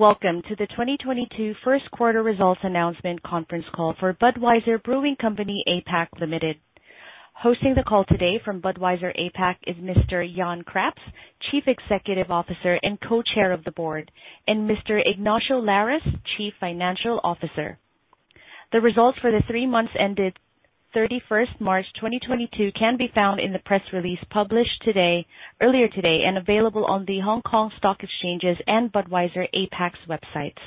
Welcome to the 2022 First Quarter Results Announcement Conference Call for Budweiser Brewing Company APAC Limited. Hosting the call today from Budweiser APAC is Mr. Jan Craps, Chief Executive Officer and Co-Chair of the board, and Mr. Ignacio Lares, Chief Financial Officer. The results for the three months ended March 31, 2022 can be found in the press release published today, earlier today, and available on the Hong Kong Stock Exchange's and Budweiser APAC's websites.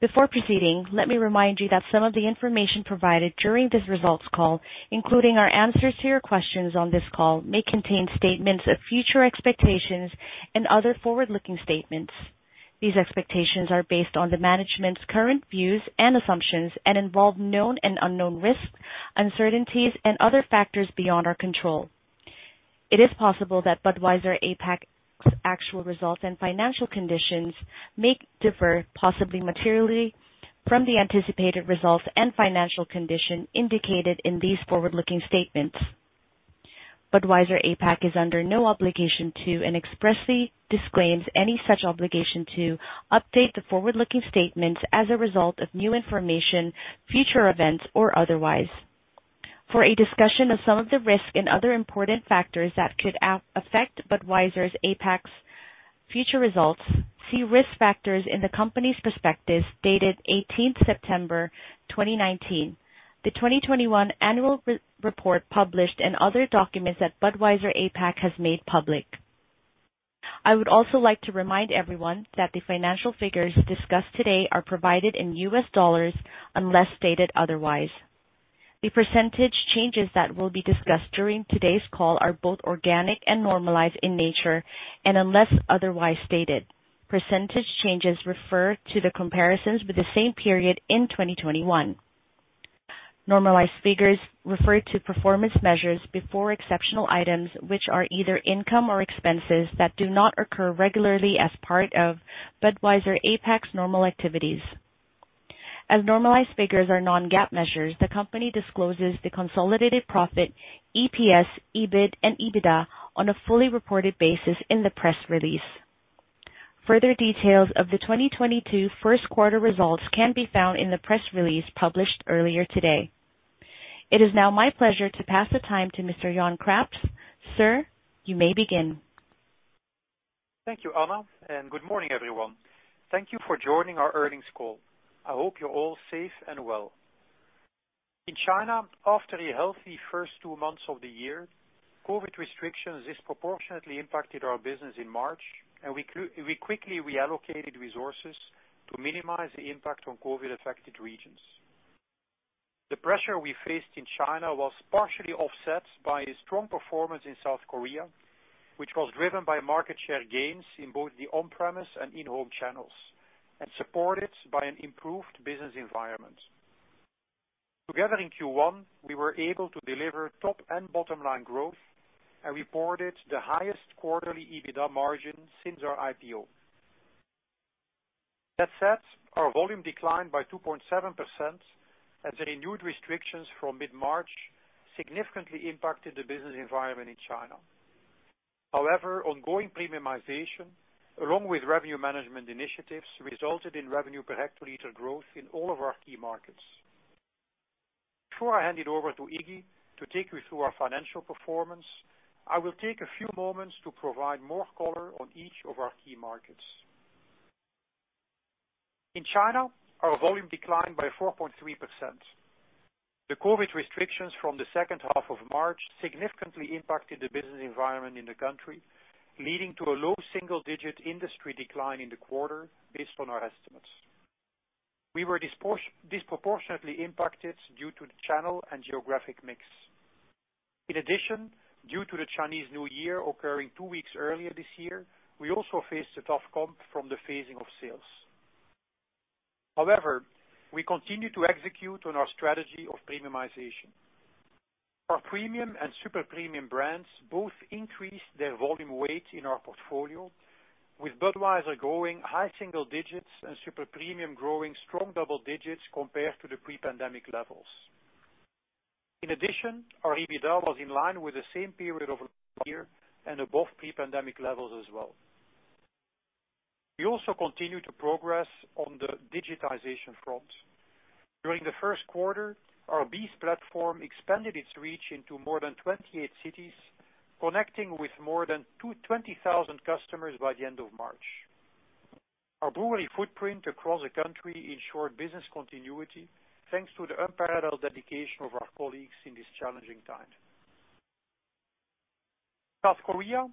Before proceeding, let me remind you that some of the information provided during this results call, including our answers to your questions on this call, may contain statements of future expectations and other forward-looking statements. These expectations are based on the management's current views and assumptions and involve known and unknown risks, uncertainties, and other factors beyond our control. It is possible that Budweiser APAC's actual results and financial conditions may differ, possibly materially, from the anticipated results and financial condition indicated in these forward-looking statements. Budweiser APAC is under no obligation to and expressly disclaims any such obligation to update the forward-looking statements as a result of new information, future events, or otherwise. For a discussion of some of the risks and other important factors that could affect Budweiser APAC's future results, see risk factors in the company's prospectus dated 18 September 2019, the 2021 annual report published, and other documents that Budweiser APAC has made public. I would also like to remind everyone that the financial figures discussed today are provided in U.S. dollars, unless stated otherwise. The percentage changes that will be discussed during today's call are both organic and normalized in nature, and unless otherwise stated. Percentage changes refer to the comparisons with the same period in 2021. Normalized figures refer to performance measures before exceptional items which are either income or expenses that do not occur regularly as part of Budweiser APAC's normal activities. As normalized figures are non-GAAP measures, the company discloses the consolidated profit, EPS, EBIT, and EBITDA on a fully reported basis in the press release. Further details of the 2022 first quarter results can be found in the press release published earlier today. It is now my pleasure to pass the time to Mr. Jan Craps. Sir, you may begin. Thank you, Anna, and good morning, everyone. Thank you for joining our earnings call. I hope you're all safe and well. In China, after a healthy first two months of the year, COVID restrictions disproportionately impacted our business in March, and we quickly reallocated resources to minimize the impact on COVID-affected regions. The pressure we faced in China was partially offset by a strong performance in South Korea, which was driven by market share gains in both the on-premise and in-home channels and supported by an improved business environment. Together in Q1, we were able to deliver top and bottom line growth and reported the highest quarterly EBITDA margin since our IPO. That said, our volume declined by 2.7% as the renewed restrictions from mid-March significantly impacted the business environment in China. However, ongoing premiumization, along with revenue management initiatives, resulted in revenue per hectoliter growth in all of our key markets. Before I hand it over to Iggy to take you through our financial performance, I will take a few moments to provide more color on each of our key markets. In China, our volume declined by 4.3%. The COVID restrictions from the second half of March significantly impacted the business environment in the country, leading to a low single-digit industry decline in the quarter based on our estimates. We were disproportionately impacted due to the channel and geographic mix. In addition, due to the Chinese New Year occurring two weeks earlier this year, we also faced a tough comp from the phasing of sales. However, we continue to execute on our strategy of premiumization. Our premium and super premium brands both increased their volume weight in our portfolio, with Budweiser growing high single digits and super premium growing strong double digits compared to the pre-pandemic levels. In addition, our EBITDA was in line with the same period last year and above pre-pandemic levels as well. We also continue to progress on the digitization front. During the first quarter, our BEES platform expanded its reach into more than 28 cities, connecting with more than 20,000 customers by the end of March. Our brewery footprint across the country ensured business continuity, thanks to the unparalleled dedication of our colleagues in this challenging time. South Korea,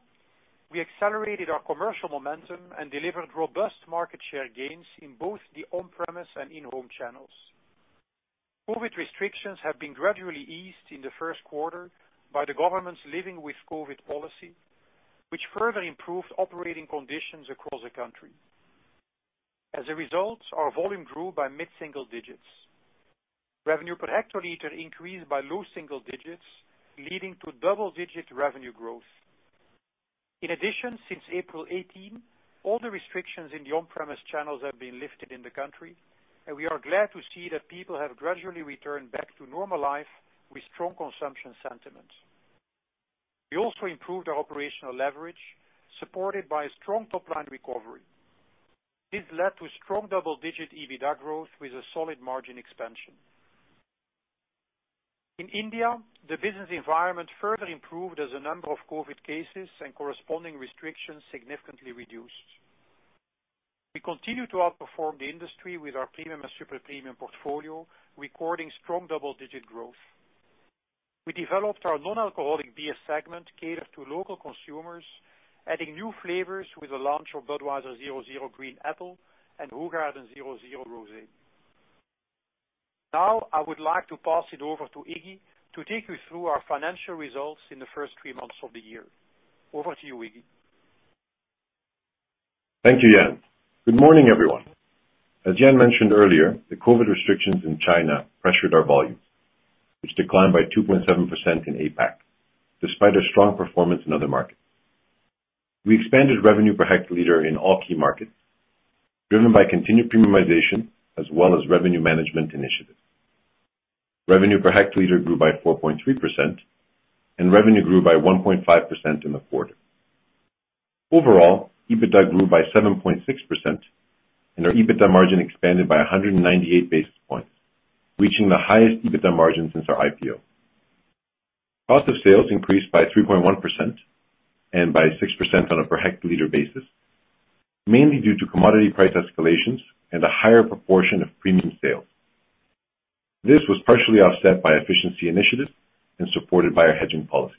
we accelerated our commercial momentum and delivered robust market share gains in both the on-premise and in-home channels. COVID restrictions have been gradually eased in the first quarter by the government's Living with COVID policy, which further improved operating conditions across the country. As a result, our volume grew by mid-single digits. Revenue per hectoliter increased by low single digits, leading to double-digit revenue growth. In addition, since April 18, all the restrictions in the on-premise channels have been lifted in the country, and we are glad to see that people have gradually returned back to normal life with strong consumption sentiment. We also improved our operational leverage, supported by a strong top line recovery. This led to a strong double-digit EBITDA growth with a solid margin expansion. In India, the business environment further improved as the number of COVID cases and corresponding restrictions significantly reduced. We continue to outperform the industry with our premium and super premium portfolio, recording strong double-digit growth. We developed our non-alcoholic beer segment catered to local consumers, adding new flavors with the launch of Budweiser Zero Green Apple and Hoegaarden Rosée 0.0%. Now, I would like to pass it over to Iggy to take you through our financial results in the first three months of the year. Over to you, Iggy. Thank you, Jan. Good morning, everyone. As Jan mentioned earlier, the COVID restrictions in China pressured our volume, which declined by 2.7% in APAC, despite a strong performance in other markets. We expanded revenue per hectoliter in all key markets, driven by continued premiumization as well as revenue management initiatives. Revenue per hectoliter grew by 4.3%, and revenue grew by 1.5% in the quarter. Overall, EBITDA grew by 7.6%, and our EBITDA margin expanded by 198 basis points, reaching the highest EBITDA margin since our IPO. Cost of sales increased by 3.1% and by 6% on a per hectoliter basis, mainly due to commodity price escalations and a higher proportion of premium sales. This was partially offset by efficiency initiatives and supported by our hedging policy.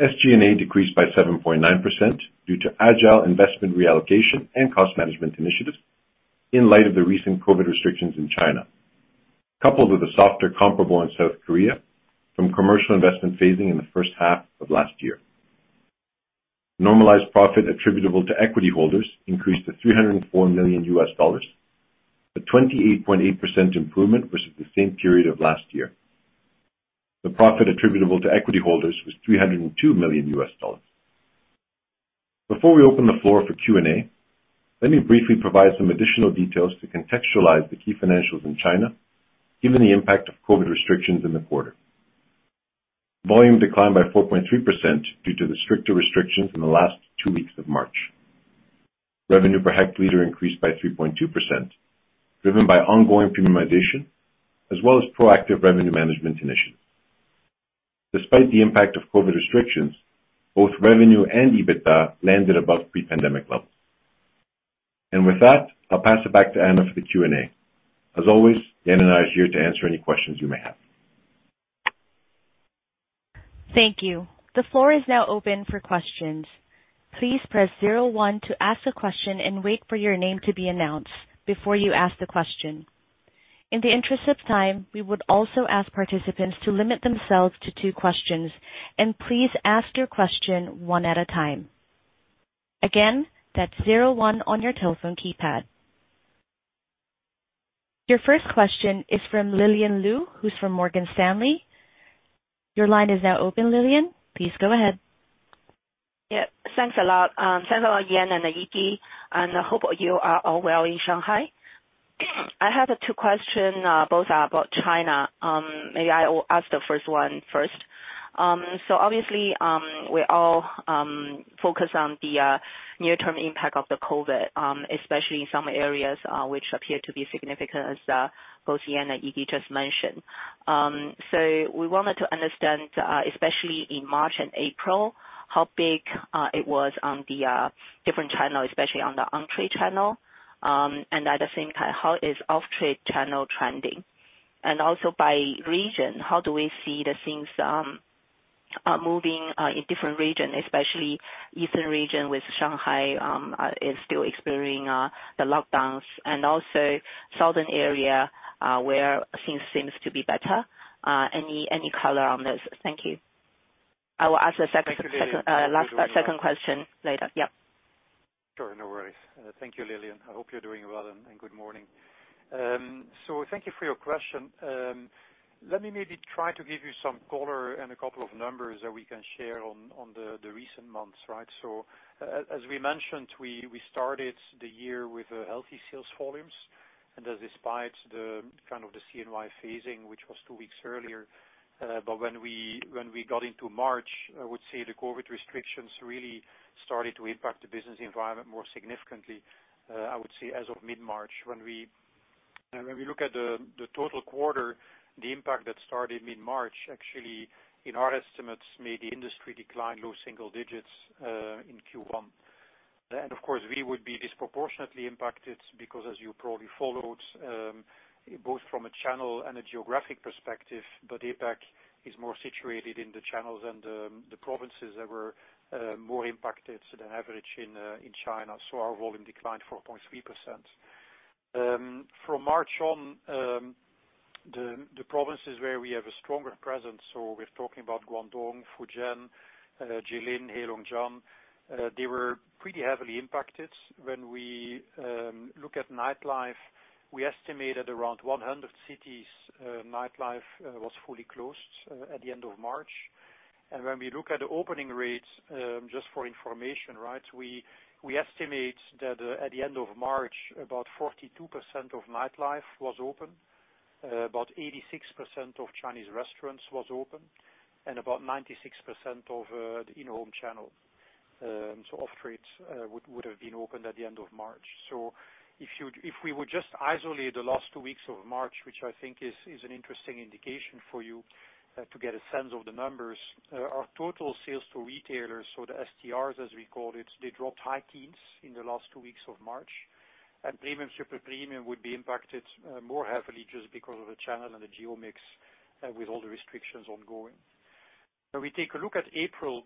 SG&A decreased by 7.9% due to agile investment reallocation and cost management initiatives in light of the recent COVID restrictions in China, coupled with a softer comparable in South Korea from commercial investment phasing in the first half of last year. Normalized profit attributable to equity holders increased to $304 million, a 28.8% improvement versus the same period of last year. The profit attributable to equity holders was $302 million. Before we open the floor for Q&A, let me briefly provide some additional details to contextualize the key financials in China, given the impact of COVID restrictions in the quarter. Volume declined by 4.3% due to the stricter restrictions in the last two weeks of March. Revenue per hectoliter increased by 3.2%, driven by ongoing premiumization as well as proactive revenue management initiatives. Despite the impact of COVID restrictions, both revenue and EBITDA landed above pre-pandemic levels. With that, I'll pass it back to Anna for the Q&A. As always, Jan and I are here to answer any questions you may have. Thank you. The floor is now open for questions. Please press zero one to ask a question and wait for your name to be announced before you ask the question. In the interest of time, we would also ask participants to limit themselves to two questions, and please ask your question one at a time. Again, that's zero one on your telephone keypad. Your first question is from Lillian Lou, who's from Morgan Stanley. Your line is now open, Lillian. Please go ahead. Yeah, thanks a lot. Thanks a lot, Jan and Iggy, and I hope you are all well in Shanghai. I have two questions, both are about China. Maybe I will ask the first one first. Obviously, we all focus on the near-term impact of the COVID, especially in some areas, which appear to be significant, as both Jan and Iggy just mentioned. We wanted to understand, especially in March and April, how big it was on the different channels, especially on the on-trade channel. At the same time, how is off-trade channel trending? Also by region, how do we see the things moving in different region, especially eastern region with Shanghai is still experiencing the lockdowns and also southern area where things seems to be better. Any color on this? Thank you. I will ask the second- Thank you, Lillian. How you doing? Last, second question later. Yep. Sure. No worries. Thank you, Lillian. I hope you're doing well and good morning. So thank you for your question. Let me maybe try to give you some color and a couple of numbers that we can share on the recent months, right? As we mentioned, we started the year with healthy sales volumes, and that despite the kind of the CNY phasing, which was two weeks earlier. When we got into March, I would say the COVID restrictions really started to impact the business environment more significantly, I would say as of mid-March. When we look at the total quarter, the impact that started mid-March, actually, in our estimates, made the industry decline low single digits%, in Q1. Of course, we would be disproportionately impacted because as you probably followed, both from a channel and a geographic perspective, but APAC is more situated in the channels and the provinces that were more impacted than average in China. Our volume declined 4.3%. From March on, the provinces where we have a stronger presence, so we're talking about Guangdong, Fujian, Jilin, Heilongjiang. They were pretty heavily impacted. When we look at nightlife, we estimated around 100 cities, nightlife was fully closed at the end of March. When we look at the opening rates, just for information, right, we estimate that at the end of March about 42% of nightlife was open, about 86% of Chinese restaurants was open, and about 96% of the in-home channel. Off-trade would have been opened at the end of March. If we would just isolate the last two weeks of March, which I think is an interesting indication for you to get a sense of the numbers, our total sales to retailers, so the STRs as we call it, they dropped high teens% in the last two weeks of March. Premium Super Premium would be impacted more heavily just because of the channel and the geo mix with all the restrictions ongoing. When we take a look at April,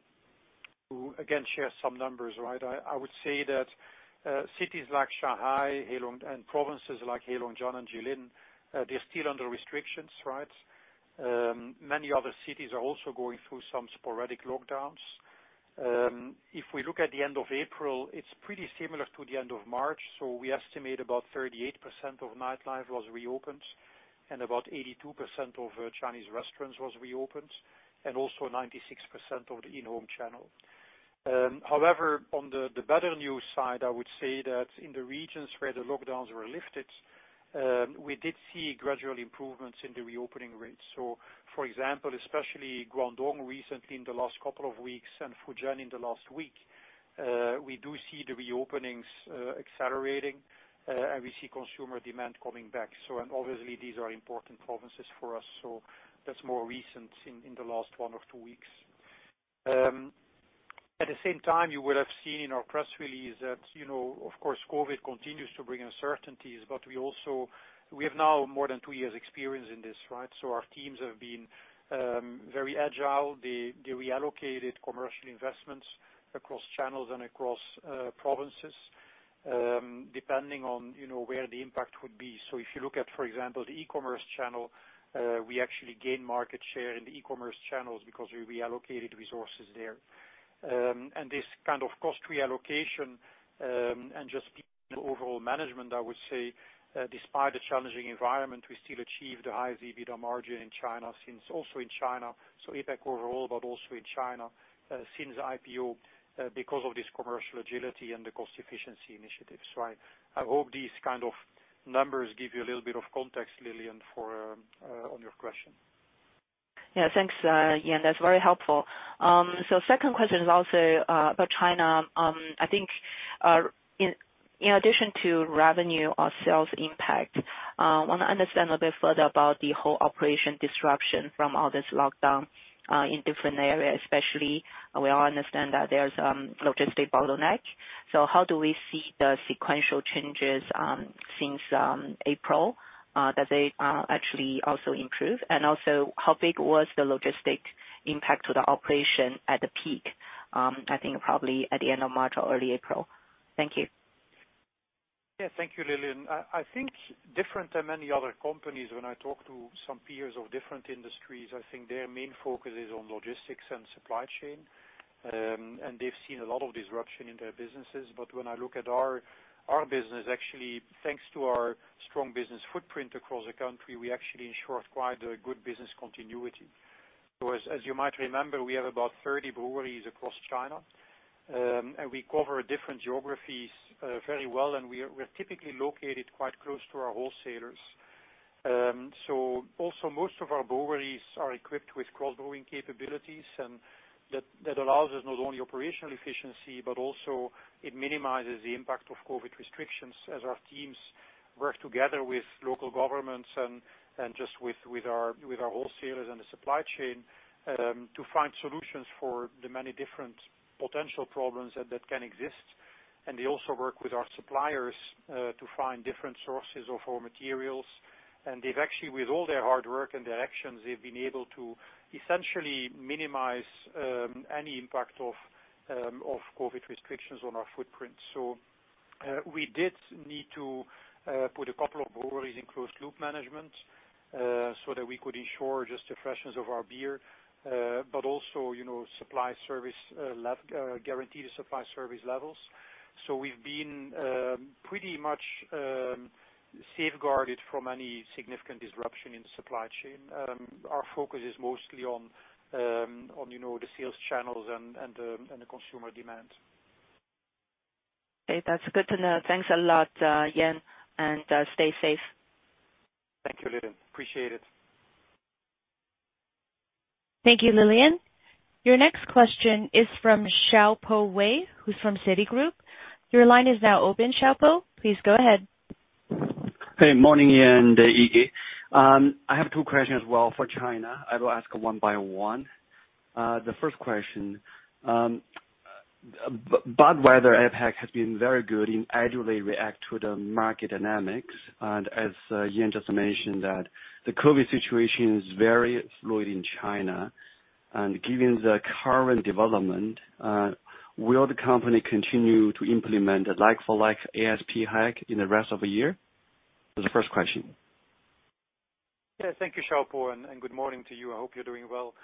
to again share some numbers. I would say that cities like Shanghai, Heilongjiang, and provinces like Heilongjiang and Jilin they're still under restrictions. Many other cities are also going through some sporadic lockdowns. If we look at the end of April, it's pretty similar to the end of March. We estimate about 38% of nightlife was reopened, and about 82% of Chinese restaurants was reopened, and also 96% of the in-home channel. However, on the better news side, I would say that in the regions where the lockdowns were lifted, we did see gradual improvements in the reopening rates. For example, especially Guangdong recently in the last couple of weeks and Fujian in the last week, we do see the reopenings accelerating, and we see consumer demand coming back. Obviously these are important provinces for us, so that's more recent in the last one or two weeks. At the same time, you would have seen in our press release that, you know, of course, COVID continues to bring uncertainties, but we also have now more than two years experience in this, right? Our teams have been very agile. They reallocated commercial investments across channels and across provinces, depending on, you know, where the impact would be. If you look at, for example, the e-commerce channel, we actually gained market share in the e-commerce channels because we reallocated resources there. This kind of cost reallocation and just overall management, I would say, despite the challenging environment, we still achieved the highest EBITDA margin in China since also in China, so APAC overall, but also in China, since IPO, because of this commercial agility and the cost efficiency initiatives, right? I hope these kind of numbers give you a little bit of context, Lillian, on your question. Yeah, thanks, Jan, that's very helpful. Second question is also about China. I think in addition to revenue or sales impact, wanna understand a bit further about the whole operation disruption from all this lockdown in different areas, especially we all understand that there's logistics bottleneck. How do we see the sequential changes since April that they actually also improve? Also, how big was the logistics impact to the operation at the peak? I think probably at the end of March or early April. Thank you. Yeah. Thank you, Lillian. I think different than many other companies, when I talk to some peers of different industries. I think their main focus is on logistics and supply chain. They've seen a lot of disruption in their businesses. When I look at our business, actually, thanks to our strong business footprint across the country, we actually ensured quite a good business continuity. As you might remember, we have about 30 breweries across China, and we cover different geographies very well, and we're typically located quite close to our wholesalers. Most of our breweries are equipped with cross-brewing capabilities and that allows us not only operational efficiency, but also it minimizes the impact of COVID restrictions as our teams work together with local governments and just with our wholesalers and the supply chain to find solutions for the many different potential problems that can exist. They also work with our suppliers to find different sources of our materials. They've actually, with all their hard work and their actions, been able to essentially minimize any impact of COVID restrictions on our footprint. We did need to put a couple of breweries in closed loop management so that we could ensure just the freshness of our beer but also, you know, guarantee the supply service levels. We've been pretty much safeguarded from any significant disruption in the supply chain. Our focus is mostly on, you know, the sales channels and the consumer demand. Okay. That's good to know. Thanks a lot, Jan, and stay safe. Thank you, Lillian. Appreciate it. Thank you, Lillian. Your next question is from Xiaopo Wei, who's from Citigroup. Your line is now open, Xiaopo. Please go ahead. Hey, morning, Jan and Iggy. I have two questions as well for China. I will ask one by one. The first question, Budweiser APAC has been very good in agilely react to the market dynamics. As Jan just mentioned that the COVID situation is very fluid in China. Given the current development, will the company continue to implement a like-for-like ASP hike in the rest of the year? That's the first question. Yeah. Thank you, Xiaopo, and good morning to you. I hope you're doing well.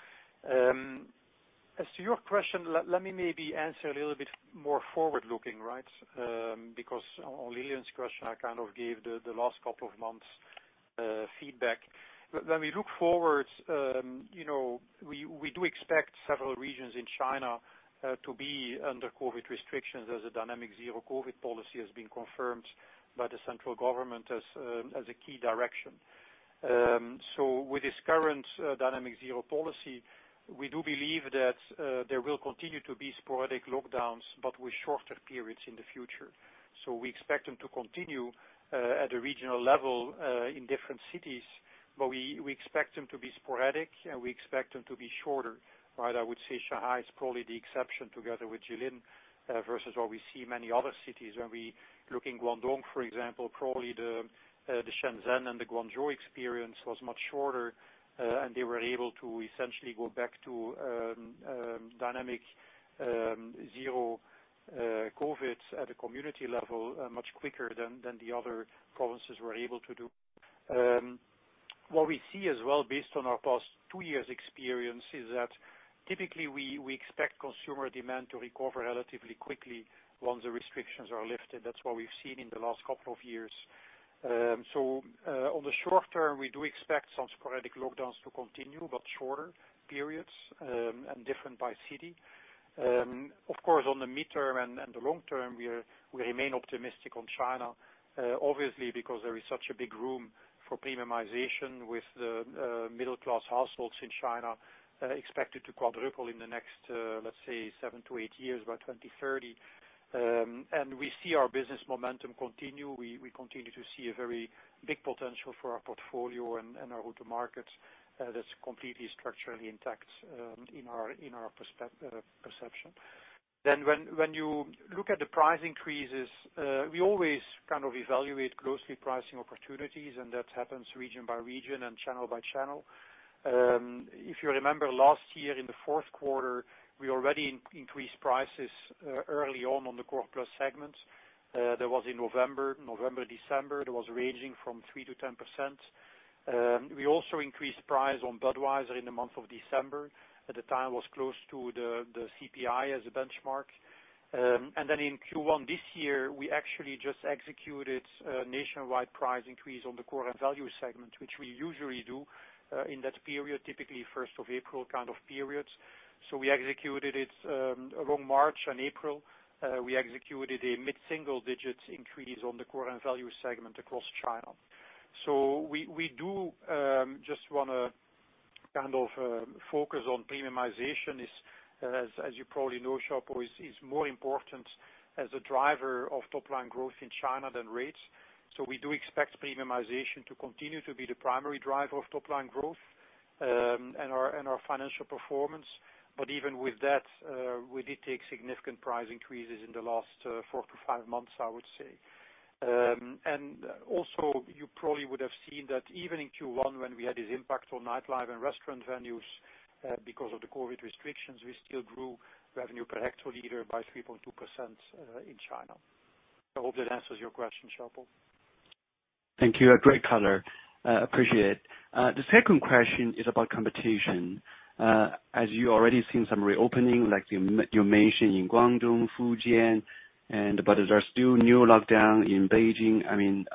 As to your question, let me maybe answer a little bit more forward-looking, right? Because on Lillian's question, I kind of gave the last couple of months' feedback. When we look forward, you know, we do expect several regions in China to be under COVID restrictions as a dynamic zero COVID policy has been confirmed by the central government as a key direction. With this current dynamic zero policy, we do believe that there will continue to be sporadic lockdowns, but with shorter periods in the future. We expect them to continue at a regional level in different cities, but we expect them to be sporadic, and we expect them to be shorter, right? I would say Shanghai is probably the exception together with Jilin versus what we see in many other cities. When we look in Guangdong, for example, probably the Shenzhen and the Guangzhou experience was much shorter, and they were able to essentially go back to dynamic zero COVID at the community level much quicker than the other provinces were able to do. What we see as well, based on our past two years' experience, is that typically we expect consumer demand to recover relatively quickly once the restrictions are lifted. That's what we've seen in the last couple of years. On the short term, we do expect some sporadic lockdowns to continue, but shorter periods, and different by city. Of course, on the midterm and the long term, we remain optimistic on China, obviously because there is such a big room for premiumization with the middle class households in China expected to quadruple in the next, let's say 7-8 years, by 2030. We see our business momentum continue. We continue to see a very big potential for our portfolio and our route to markets, that's completely structurally intact, in our perception. When you look at the price increases, we always kind of evaluate closely pricing opportunities, and that happens region by region and channel by channel. If you remember last year in the fourth quarter, we already increased prices early on the core plus segments. That was in November. November, December, it was ranging from 3%-10%. We also increased price on Budweiser in the month of December. At the time was close to the CPI as a benchmark. In Q1 this year, we actually just executed a nationwide price increase on the core and value segment, which we usually do in that period, typically first of April kind of periods. We executed it along March and April. We executed a mid-single digits increase on the core and value segment across China. We do just wanna kind of focus on premiumization is, as you probably know, Xiaopo, is more important as a driver of top line growth in China than rates. We do expect premiumization to continue to be the primary driver of top line growth and our financial performance. Even with that, we did take significant price increases in the last 4-5 months, I would say. You probably would have seen that even in Q1 when we had this impact on nightlife and restaurant venues because of the COVID restrictions, we still grew revenue per hectoliter by 3.2% in China. I hope that answers your question, Xiaopo. Thank you. A great color. Appreciate it. The second question is about competition. As you already seen some reopening, like you mentioned in Guangdong, Fujian. There are still new lockdown in Beijing. I mean,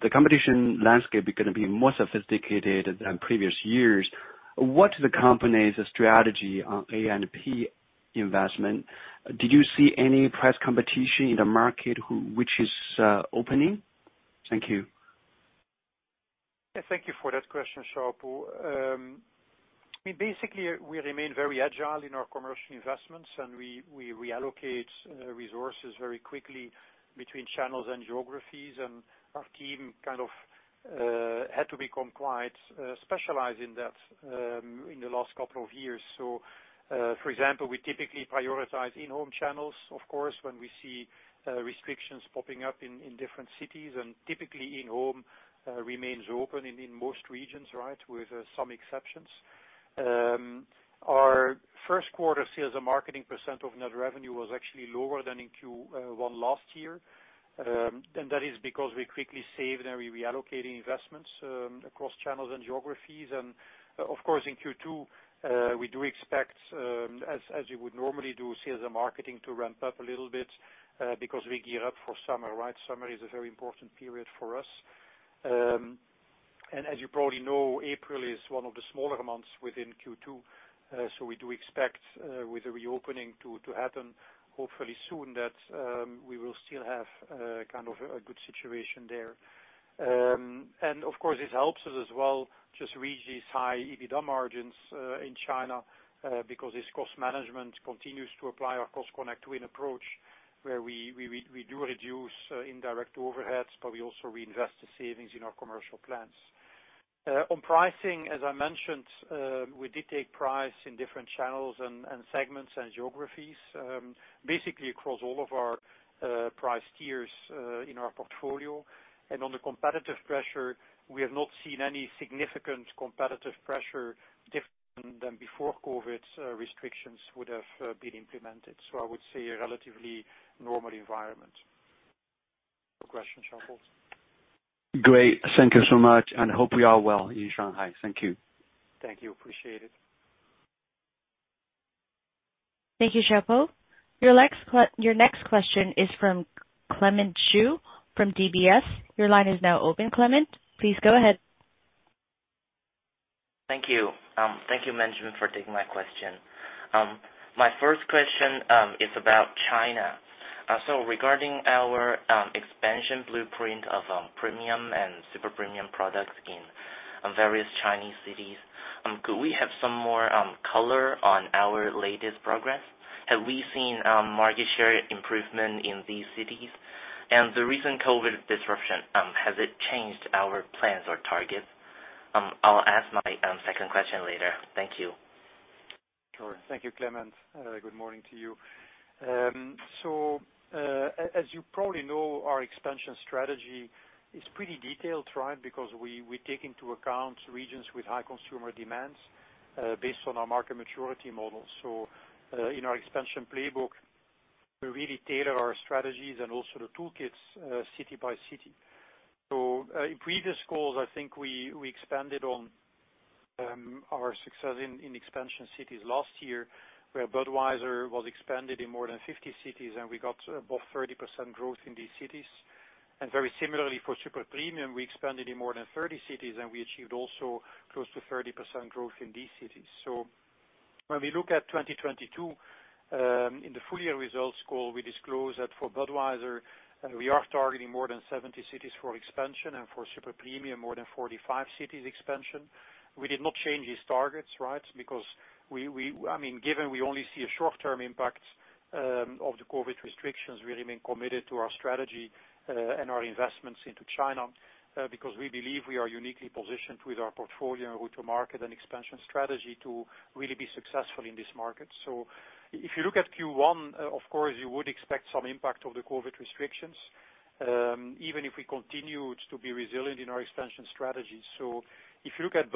the competition landscape is gonna be more sophisticated than previous years. What's the company's strategy on A&P investment? Did you see any price competition in the market which is opening? Thank you. Yeah. Thank you for that question, Xiaopo. I mean, basically, we remain very agile in our commercial investments, and we reallocate resources very quickly between channels and geographies. Our team kind of had to become quite specialized in that in the last couple of years. For example, we typically prioritize in-home channels, of course, when we see restrictions popping up in different cities. Typically, in-home remains open in most regions, right, with some exceptions. Our first quarter sales and marketing % of net revenue was actually lower than in Q1 last year. That is because we quickly saved and reallocating investments across channels and geographies. Of course, in Q2, we do expect, as you would normally do, sales and marketing to ramp up a little bit, because we gear up for summer, right? Summer is a very important period for us. As you probably know, April is one of the smaller months within Q2. We do expect, with the reopening to happen hopefully soon that we will still have kind of a good situation there. Of course, this helps us as well just reach these high EBITDA margins in China, because this cost management continues to apply our cost connect win approach where we do reduce indirect overheads, but we also reinvest the savings in our commercial plans. On pricing, as I mentioned, we did take price in different channels and segments and geographies, basically across all of our price tiers in our portfolio. On the competitive pressure, we have not seen any significant competitive pressure different than before COVID restrictions would have been implemented. I would say a relatively normal environment. No question, Xiaopo. Great. Thank you so much, and hope you are well in Shanghai. Thank you. Thank you. Appreciate it. Thank you, Xiaopo. Your next question is from Clement Chu from DBS. Your line is now open, Clement. Please go ahead. Thank you. Thank you, Benjamin, for taking my question. My first question is about China. Regarding our expansion blueprint of premium and super premium products in various Chinese cities, could we have some more color on our latest progress? Have we seen market share improvement in these cities? The recent COVID disruption has it changed our plans or targets? I'll ask my second question later. Thank you. Sure. Thank you, Clement. Good morning to you. As you probably know, our expansion strategy is pretty detailed, right? Because we take into account regions with high consumer demands based on our market maturity model. In our expansion playbook, we really tailor our strategies and also the toolkits city by city. In previous calls, I think we expanded on our success in expansion cities last year, where Budweiser was expanded in more than 50 cities, and we got about 30% growth in these cities. Very similarly for super premium, we expanded in more than 30 cities, and we achieved also close to 30% growth in these cities. When we look at 2022, in the full-year results call, we disclose that for Budweiser, we are targeting more than 70 cities for expansion and for super premium, more than 45 cities expansion. We did not change these targets, right? I mean, given we only see a short-term impact of the COVID restrictions, we remain committed to our strategy and our investments into China, because we believe we are uniquely positioned with our portfolio and go-to-market and expansion strategy to really be successful in this market. If you look at Q1, of course, you would expect some impact of the COVID restrictions, even if we continued to be resilient in our expansion strategy. If you look at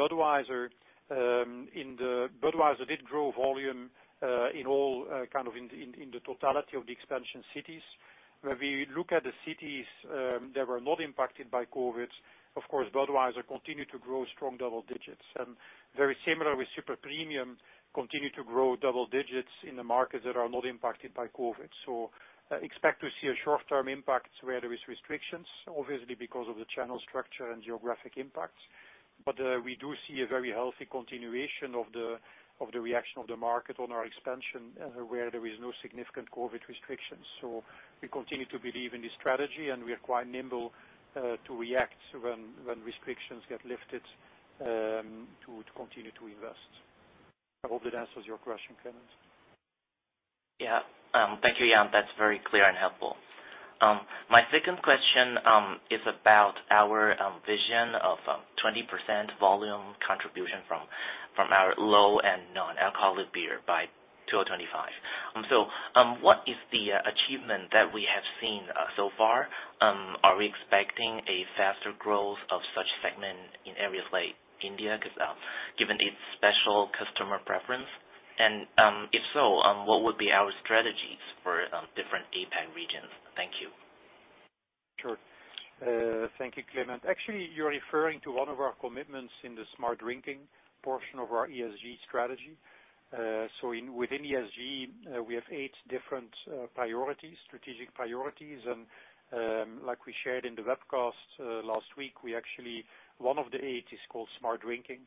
Budweiser did grow volume in all kind of in the totality of the expansion cities. When we look at the cities that were not impacted by COVID, of course, Budweiser continued to grow strong double digits. Very similar with super premium, continued to grow double digits in the markets that are not impacted by COVID. Expect to see a short-term impact where there is restrictions, obviously because of the channel structure and geographic impacts. We do see a very healthy continuation of the reaction of the market on our expansion where there is no significant COVID restrictions. We continue to believe in this strategy, and we are quite nimble to react when restrictions get lifted to continue to invest. I hope that answers your question, Clement. Yeah. Thank you, Jan. That's very clear and helpful. My second question is about our vision of 20% volume contribution from our low and non-alcoholic beer by 2025. What is the achievement that we have seen so far? Are we expecting a faster growth of such segment in areas like India, 'cause given its special customer preference? What would be our strategies for different APAC regions? Thank you. Sure. Thank you, Clement. Actually, you're referring to one of our commitments in the smart drinking portion of our ESG strategy. Within ESG, we have eight different priorities, strategic priorities. Like we shared in the webcast last week, one of the eight is called smart drinking.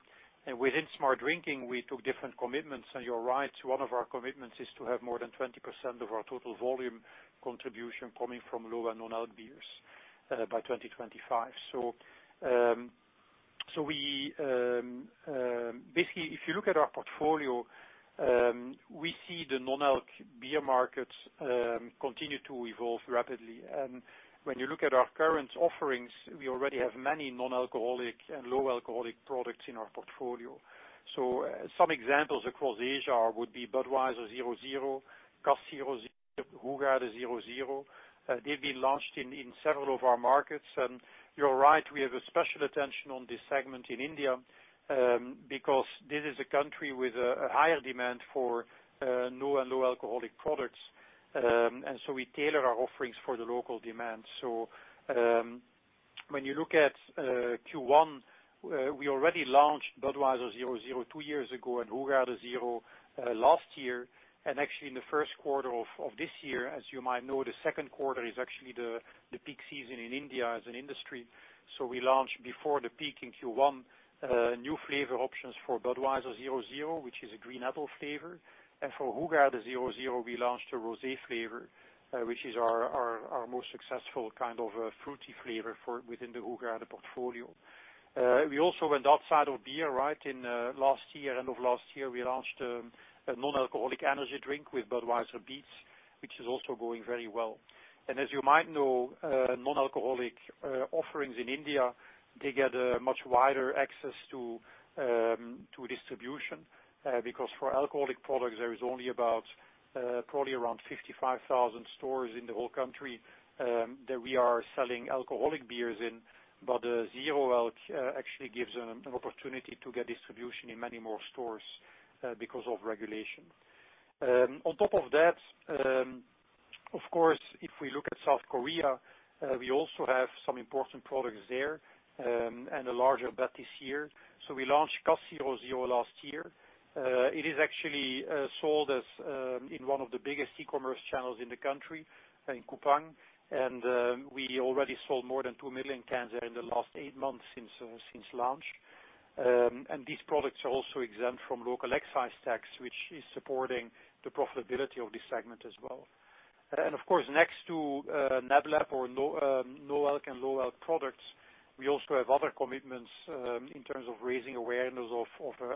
Within smart drinking, we took different commitments. You're right, one of our commitments is to have more than 20% of our total volume contribution coming from low and non-alc beers by 2025. Basically, if you look at our portfolio, we see the non-alc beer markets continue to evolve rapidly. When you look at our current offerings, we already have many non-alcoholic and low alcoholic products in our portfolio. Some examples across Asia would be Budweiser Zero, Cass 0.0, Hoegaarden 0.0. They've been launched in several of our markets. You're right, we have a special attention on this segment in India, because this is a country with a higher demand for no and low alcoholic products. We tailor our offerings for the local demand. When you look at Q1, we already launched Budweiser zero two years ago and Hoegaarden 0.0 last year. Actually in the first quarter of this year, as you might know, the second quarter is actually the peak season in India as an industry. We launched before the peak in Q1 new flavor options for Budweiser Zero, which is a green apple flavor. For Hoegaarden 0.0, we launched a rosé flavor, which is our most successful kind of fruity flavor within the Hoegaarden portfolio. We also went outside of beer, right? In last year, end of last year, we launched a non-alcoholic energy drink with Budweiser Beats, which is also going very well. As you might know, non-alcoholic offerings in India, they get a much wider access to distribution. Because for alcoholic products, there is only about probably around 55,000 stores in the whole country that we are selling alcoholic beers in. The zero alc actually gives an opportunity to get distribution in many more stores because of regulation. Of course, if we look at South Korea, we also have some important products there, and a larger bet this year. We launched Cass 0.0 last year. It is actually sold in one of the biggest e-commerce channels in the country, in Coupang, and we already sold more than 2 million cans there in the last eight months since launch. These products are also exempt from local excise tax, which is supporting the profitability of this segment as well. Of course, next to NABLAB or no- and low-alc products, we also have other commitments in terms of raising awareness of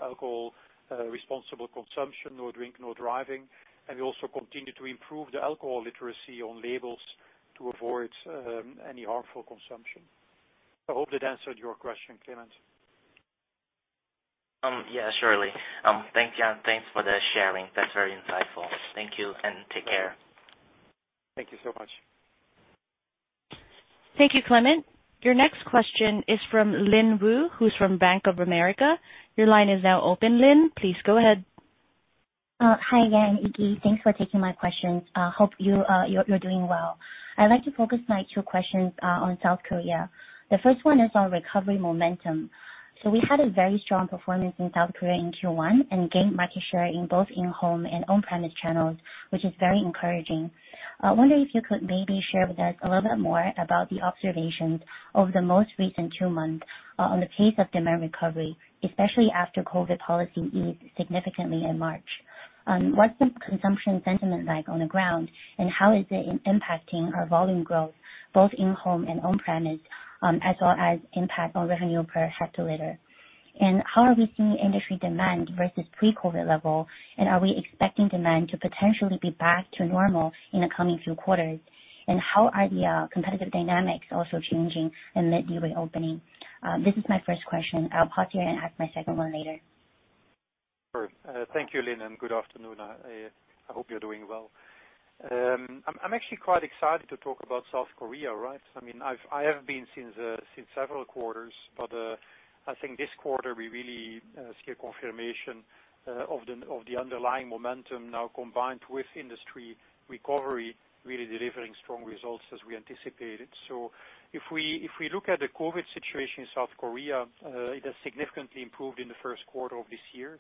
alcohol responsible consumption, no drink, no driving. We also continue to improve the alcohol literacy on labels to avoid any harmful consumption. I hope that answered your question, Clement. Yeah, surely. Thank you, and thanks for the sharing. That's very insightful. Thank you, and take care. Thank you so much. Thank you, Clement. Your next question is from Lin Wu, who's from Bank of America. Your line is now open, Lin. Please go ahead. Hi again, Iggy. Thanks for taking my questions. Hope you're doing well. I'd like to focus my two questions on South Korea. The first one is on recovery momentum. We had a very strong performance in South Korea in Q1 and gained market share in both in-home and on-premise channels, which is very encouraging. I wonder if you could maybe share with us a little bit more about the observations over the most recent two months on the pace of demand recovery, especially after COVID policy eased significantly in March. What's the consumption sentiment like on the ground, and how is it impacting our volume growth both in-home and on-premise, as well as impact on revenue per hectoliter? How are we seeing industry demand versus pre-COVID level, and are we expecting demand to potentially be back to normal in the coming few quarters? How are the competitive dynamics also changing amid the reopening? This is my first question. I'll pause here and ask my second one later. Sure. Thank you, Lin, and good afternoon. I hope you're doing well. I'm actually quite excited to talk about South Korea, right? I mean, I have been since several quarters, but I think this quarter we really see a confirmation of the underlying momentum now combined with industry recovery really delivering strong results as we anticipated. If we look at the COVID situation in South Korea, it has significantly improved in the first quarter of this year.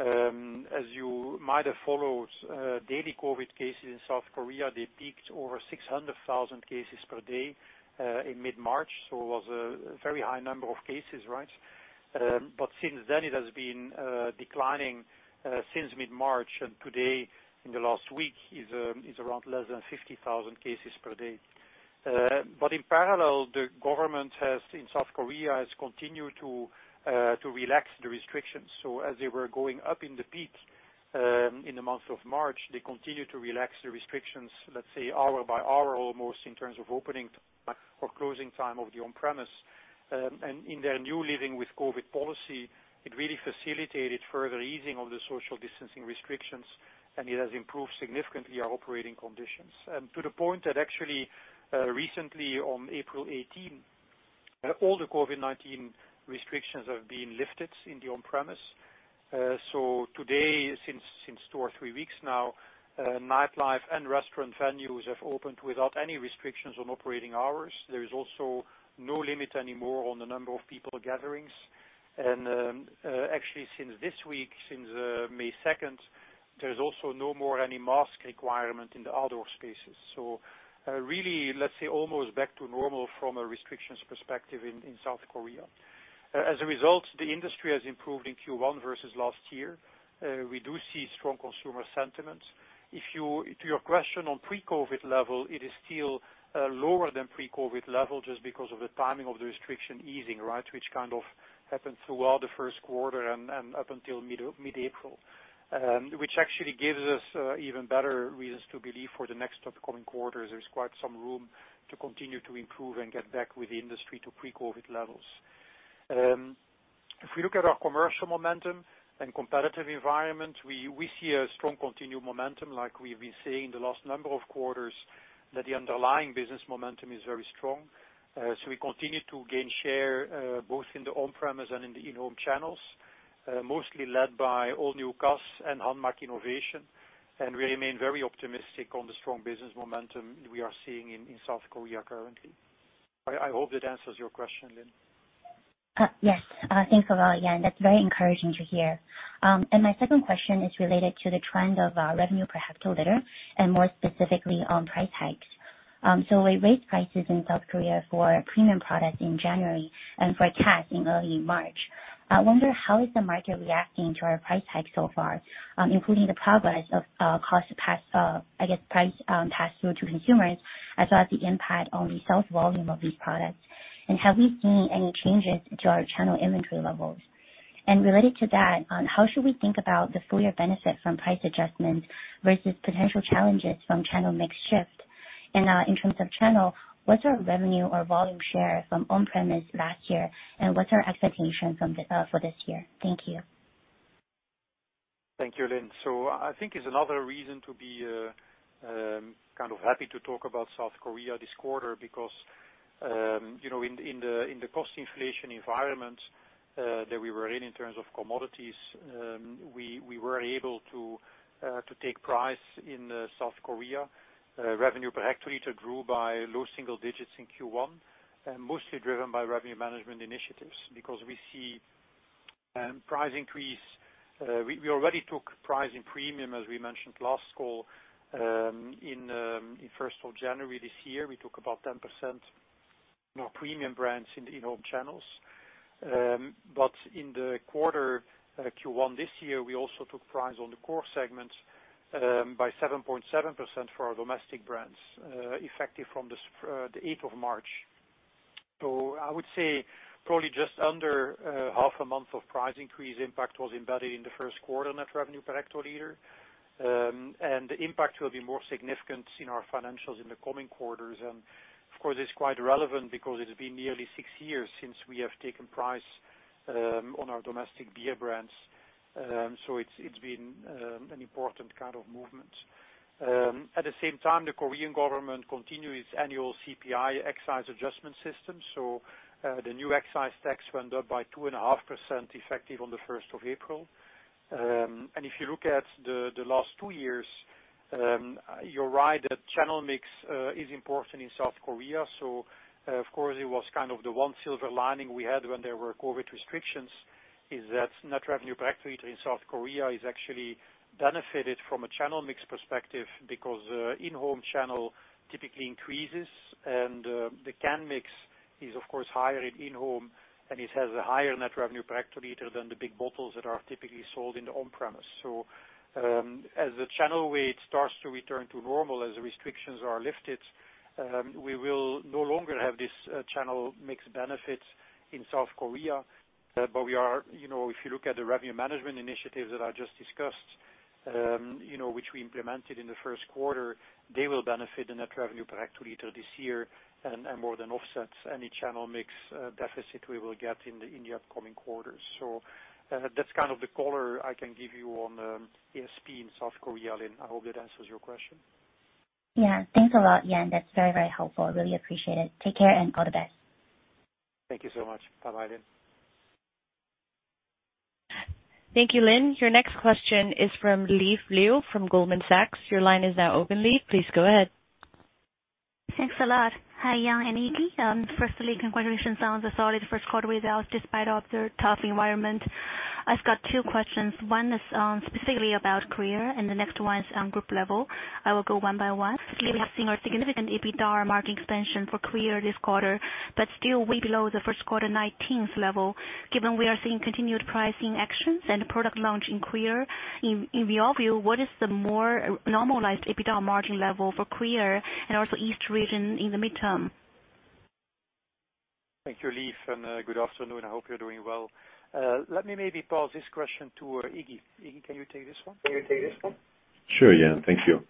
As you might have followed, daily COVID cases in South Korea, they peaked over 600,000 cases per day in mid-March, so it was a very high number of cases, right? Since then it has been declining since mid-March. Today, in the last week is around less than 50,000 cases per day. But in parallel, the government in South Korea has continued to relax the restrictions. As they were going up in the peak in the month of March, they continued to relax the restrictions, let's say hour by hour almost in terms of opening time or closing time of the on-premise. In their new living with COVID policy, it really facilitated further easing of the social distancing restrictions, and it has improved significantly our operating conditions to the point that actually recently on April 18, all the COVID-19 restrictions have been lifted in the on-premise. Today since two or three weeks now, nightlife and restaurant venues have opened without any restrictions on operating hours. There is also no limit anymore on the number of people gatherings. Actually since this week, May second, there's also no more any mask requirement in the outdoor spaces. Really, let's say almost back to normal from a restrictions perspective in South Korea. As a result, the industry has improved in Q1 versus last year. We do see strong consumer sentiment. To your question on pre-COVID level, it is still lower than pre-COVID level just because of the timing of the restriction easing, right? Which kind of happened throughout the first quarter and up until mid-April. Which actually gives us even better reasons to believe for the next upcoming quarters there's quite some room to continue to improve and get back with the industry to pre-COVID levels. If we look at our commercial momentum and competitive environment, we see a strong continued momentum like we've been seeing the last number of quarters, that the underlying business momentum is very strong. So we continue to gain share, both in the on-premise and in the in-home channels, mostly led by All New Cass and Hanmac innovation. We remain very optimistic on the strong business momentum we are seeing in South Korea currently. I hope that answers your question, Lin. Yes. Thanks a lot again. That's very encouraging to hear. My second question is related to the trend of revenue per hectoliter and more specifically on price hikes. We raised prices in South Korea for premium products in January and for Cass in early March. I wonder how the market is reacting to our price hike so far, including the progress of price pass through to consumers, as well as the impact on the sales volume of these products. Have we seen any changes to our channel inventory levels? Related to that, how should we think about the full year benefit from price adjustments versus potential challenges from channel mix shift? In terms of channel, what's our revenue or volume share from on-premise last year, and what's our expectation from the for this year? Thank you. Thank you, Lin. I think it's another reason to be kind of happy to talk about South Korea this quarter because, you know, in the cost inflation environment that we were in in terms of commodities, we were able to take price in South Korea. Revenue per hectoliter grew by low single digits in Q1, mostly driven by revenue management initiatives because we see price increase. We already took price in premium, as we mentioned last call, in the first of January this year. We took about 10% in our premium brands in the in-home channels. In the quarter, Q1 this year, we also took price on the core segment, by 7.7% for our domestic brands, effective from the eighth of March. I would say probably just under half a month of price increase impact was embedded in the first quarter net revenue per hectoliter. The impact will be more significant in our financials in the coming quarters. Of course, it's quite relevant because it's been nearly six years since we have taken price on our domestic beer brands. It's been an important kind of movement. At the same time, the Korean government continue its annual CPI excise adjustment system. The new excise tax went up by 2.5% effective on the first of April. If you look at the last two years, you're right that channel mix is important in South Korea. Of course, it was kind of the one silver lining we had when there were COVID restrictions is that net revenue per hectoliter in South Korea is actually benefited from a channel mix perspective because in-home channel typically increases and the can mix is of course higher in in-home, and it has a higher net revenue per hectoliter than the big bottles that are typically sold in the on-premise. As the channel weight starts to return to normal, as the restrictions are lifted, we will no longer have this channel mix benefit in South Korea. We are... You know, if you look at the revenue management initiatives that I just discussed, you know, which we implemented in the first quarter, they will benefit the net revenue per hectoliter this year and more than offsets any channel mix deficit we will get in the upcoming quarters. That's kind of the color I can give you on ASP in South Korea, Lin. I hope that answers your question. Yeah. Thanks a lot, Jan. That's very, very helpful. I really appreciate it. Take care and all the best. Thank you so much. Bye-bye, Lin. Thank you, Lin. Your next question is from Leaf Liu from Goldman Sachs. Your line is now open, Leaf. Please go ahead. Thanks a lot. Hi, Jan and Iggy. Firstly, congratulations on the solid first quarter results despite the tough environment. I've got two questions. One is specifically about Korea, and the next one is on group level. I will go one by one. We have seen a significant EBITDA margin expansion for Korea this quarter, but still way below the first quarter 2019's level. Given we are seeing continued pricing actions and product launch in Korea, in your view, what is the more normalized EBITDA margin level for Korea and also each region in the medium term? Thank you, Leaf, and good afternoon. I hope you're doing well. Let me maybe pass this question to Iggy. Iggy, can you take this one? Sure, Jan. Thank you.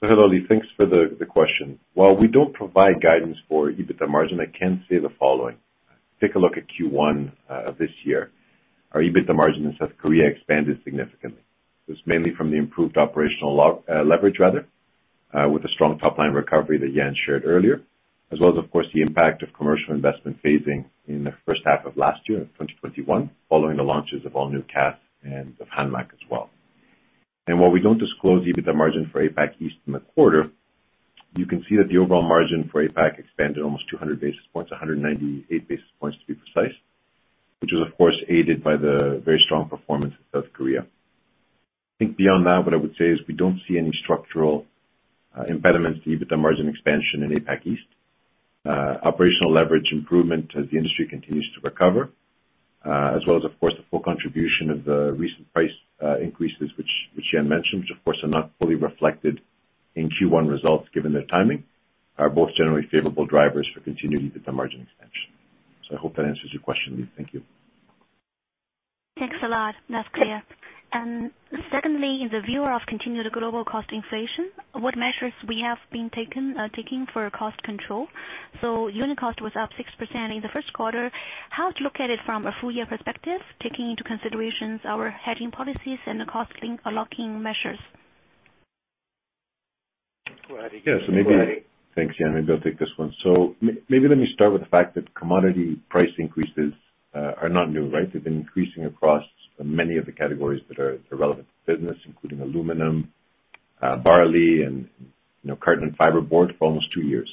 Hello, Leaf. Thanks for the question. While we don't provide guidance for EBITDA margin, I can say the following. Take a look at Q1 this year. Our EBITDA margin in South Korea expanded significantly. It's mainly from the improved operational leverage rather with the strong top-line recovery that Jan shared earlier, as well as of course the impact of commercial investment phasing in the first half of last year in 2021, following the launches of All New Cass and of Hanmac as well. While we don't disclose EBITDA margin for APAC East in the quarter, you can see that the overall margin for APAC expanded almost 200 basis points, 198 basis points to be precise, which was of course aided by the very strong performance of South Korea. I think beyond that, what I would say is we don't see any structural impediments to EBITDA margin expansion in APAC East. Operational leverage improvement as the industry continues to recover, as well as of course the full contribution of the recent price increases which Jan mentioned, which of course are not fully reflected in Q1 results given their timing, are both generally favorable drivers for continued EBITDA margin expansion. I hope that answers your question, Leaf. Thank you. Thanks a lot. That's clear. Secondly, in the view of continued global cost inflation, what measures we have been taking for cost control? Unit cost was up 6% in the first quarter. How to look at it from a full year perspective, taking into considerations our hedging policies and the cost link locking measures. Go ahead, Iggy. Yeah. Go ahead, Iggy. Thanks, Jan. Maybe I'll take this one. Maybe let me start with the fact that commodity price increases are not new, right? They've been increasing across many of the categories that are relevant to business, including aluminum, barley and, you know, carton and fiberboard for almost two years.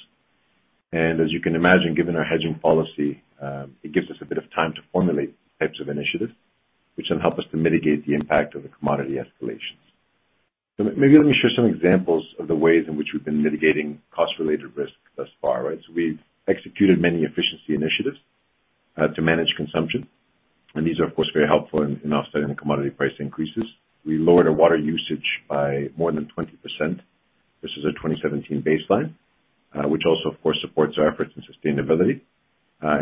As you can imagine, given our hedging policy, it gives us a bit of time to formulate types of initiatives which then help us to mitigate the impact of the commodity escalations. Maybe let me share some examples of the ways in which we've been mitigating cost-related risk thus far, right? We've executed many efficiency initiatives to manage consumption, and these are of course very helpful in offsetting the commodity price increases. We lowered our water usage by more than 20%. This is a 2017 baseline, which also of course supports our efforts in sustainability.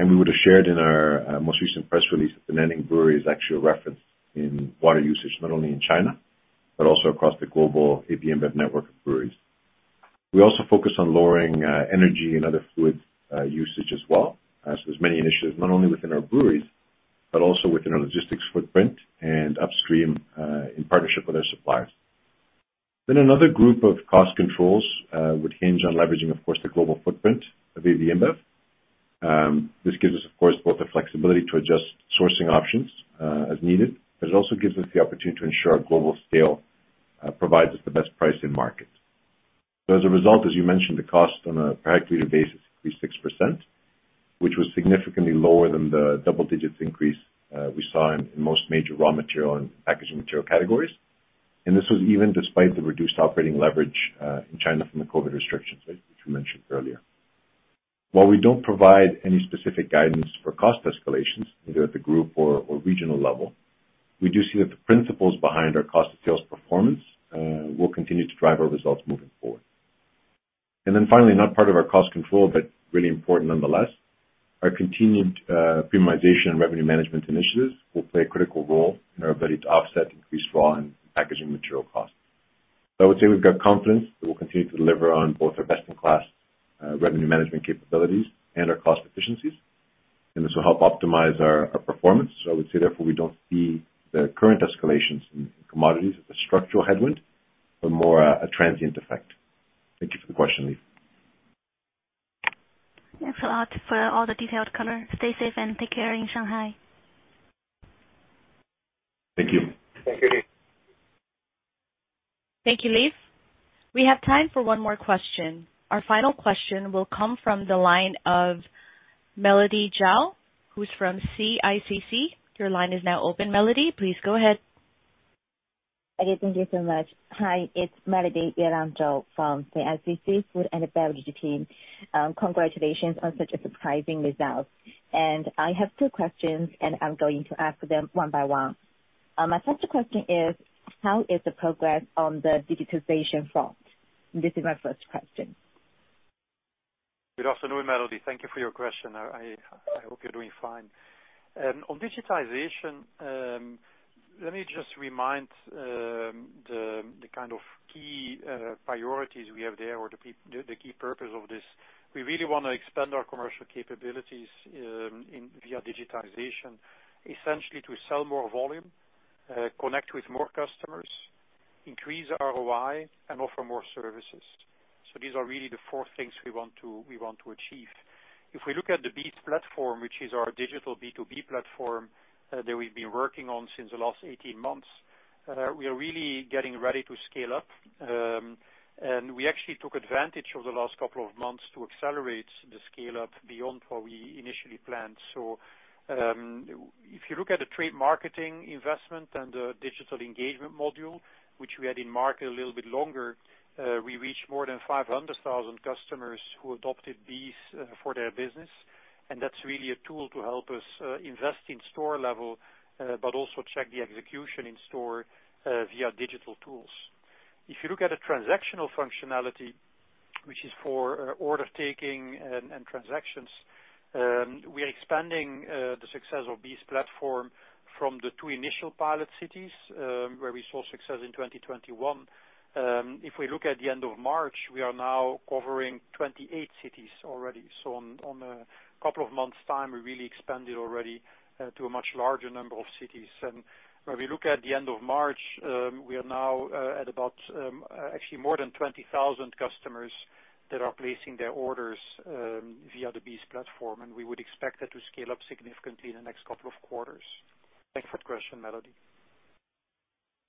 We would have shared in our most recent press release that the Nanning Brewery is actually a reference in water usage, not only in China, but also across the global AB InBev network of breweries. We also focus on lowering energy and other fluid usage as well. There's many initiatives not only within our breweries, but also within our logistics footprint and upstream in partnership with our suppliers. Another group of cost controls would hinge on leveraging, of course, the global footprint of AB InBev. This gives us of course both the flexibility to adjust sourcing options as needed, but it also gives us the opportunity to ensure our global scale provides us the best price in market. As a result, as you mentioned, the cost on a per acre basis increased 6%, which was significantly lower than the double-digit increase we saw in most major raw material and packaging material categories. This was even despite the reduced operating leverage in China from the COVID restrictions as you mentioned earlier. While we don't provide any specific guidance for cost escalations, either at the group or regional level, we do see that the principles behind our cost of sales performance will continue to drive our results moving forward. Finally, not part of our cost control, but really important nonetheless, our continued premiumization and revenue management initiatives will play a critical role in our ability to offset increased raw and packaging material costs. I would say we've got confidence that we'll continue to deliver on both our best-in-class revenue management capabilities and our cost efficiencies, and this will help optimize our performance. I would say therefore, we don't see the current escalations in commodities as a structural headwind, but more a transient effect. Thank you for the question, Leaf. Thanks a lot for all the detailed color. Stay safe and take care in Shanghai. Thank you. Thank you. Thank you, Leaf. We have time for one more question. Our final question will come from the line of Melody Zhao, who's from CICC. Your line is now open, Melody. Please go ahead. Okay, thank you so much. Hi, it's Melody Zhao from CICC Food and Beverage team. Congratulations on such a surprising results. I have two questions, and I'm going to ask them one by one. My first question is, how is the progress on the digitization front? This is my first question. Good afternoon, Melody. Thank you for your question. I hope you're doing fine. On digitization, let me just remind the kind of key priorities we have there or the key purpose of this. We really wanna expand our commercial capabilities via digitization, essentially to sell more volume, connect with more customers, increase ROI and offer more services. These are really the four things we want to achieve. If we look at the BEES platform, which is our digital B2B platform, that we've been working on since the last 18 months, we are really getting ready to scale up. We actually took advantage of the last couple of months to accelerate the scale-up beyond what we initially planned. If you look at the trade marketing investment and the digital engagement module, which we had in market a little bit longer, we reached more than 500,000 customers who adopted these for their business. That's really a tool to help us invest in store level, but also check the execution in store via digital tools. If you look at a transactional functionality, which is for order taking and transactions, we are expanding the success of BEES platform from the two initial pilot cities, where we saw success in 2021. If we look at the end of March, we are now covering 28 cities already. On a couple of months' time, we really expanded already to a much larger number of cities. When we look at the end of March, we are now at about actually more than 20,000 customers that are placing their orders via the BEES platform, and we would expect that to scale up significantly in the next couple of quarters. Thanks for the question, Melody.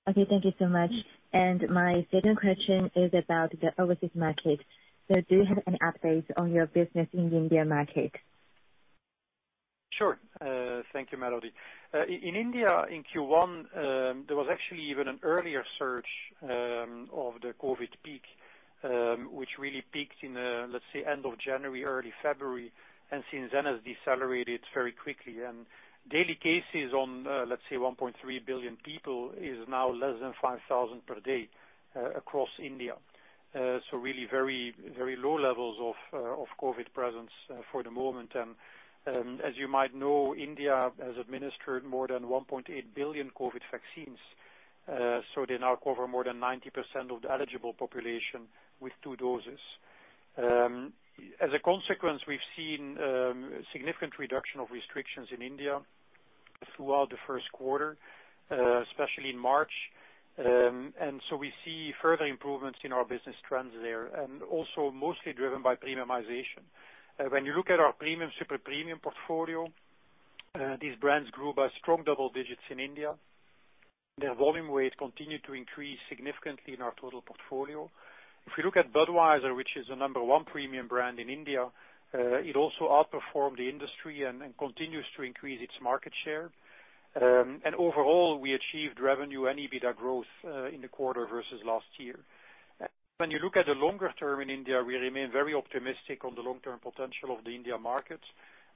Okay, thank you so much. My second question is about the overseas market. Do you have an update on your business in the India market? Sure. Thank you, Melody. In India in Q1, there was actually even an earlier surge of the COVID peak, which really peaked in, let's say end of January, early February, and since then has decelerated very quickly. Daily cases on, let's say 1.3 billion people is now less than 5,000 per day, across India. Really very, very low levels of COVID presence for the moment. As you might know, India has administered more than 1.8 billion COVID vaccines. They now cover more than 90% of the eligible population with two doses. As a consequence, we've seen significant reduction of restrictions in India throughout the first quarter, especially in March. We see further improvements in our business trends there, and also mostly driven by premiumization. When you look at our premium, super premium portfolio, these brands grew by strong double digits in India. Their volume weight continued to increase significantly in our total portfolio. If we look at Budweiser, which is the number one premium brand in India, it also outperformed the industry and continues to increase its market share. Overall, we achieved revenue and EBITDA growth in the quarter versus last year. When you look at the longer term in India, we remain very optimistic on the long-term potential of the India market,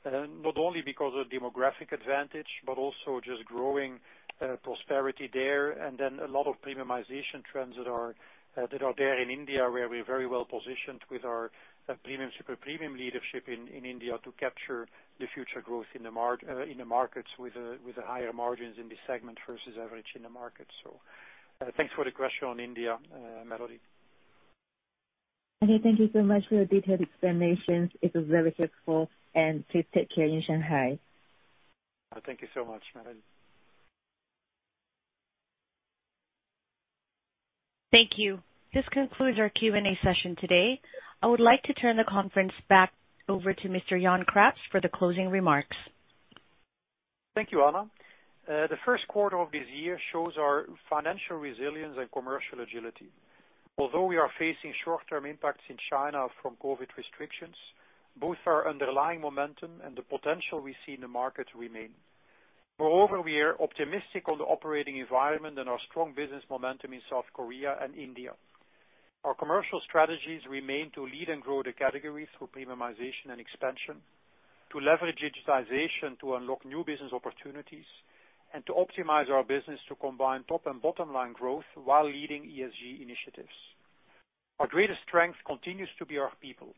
not only because of demographic advantage, but also just growing prosperity there, and then a lot of premiumization trends that are there in India, where we're very well-positioned with our premium, super premium leadership in India to capture the future growth in the markets with the higher margins in this segment versus average in the market. Thanks for the question on India, Melody. Okay, thank you so much for your detailed explanations. It was very helpful, and please take care in Shanghai. Thank you so much, Melody. Thank you. This concludes our Q&A session today. I would like to turn the conference back over to Mr. Jan Craps for the closing remarks. Thank you, Anna. The first quarter of this year shows our financial resilience and commercial agility. Although we are facing short-term impacts in China from COVID restrictions, both our underlying momentum and the potential we see in the market remain. Moreover, we are optimistic on the operating environment and our strong business momentum in South Korea and India. Our commercial strategies remain to lead and grow the category through premiumization and expansion, to leverage digitization to unlock new business opportunities, and to optimize our business to combine top and bottom line growth while leading ESG initiatives. Our greatest strength continues to be our people.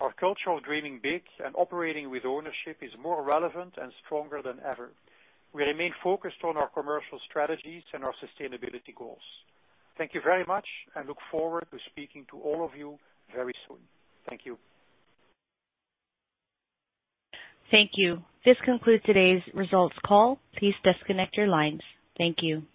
Our culture of dreaming big and operating with ownership is more relevant and stronger than ever. We remain focused on our commercial strategies and our sustainability goals. Thank you very much and look forward to speaking to all of you very soon. Thank you. Thank you. This concludes today's results call. Please disconnect your lines. Thank you.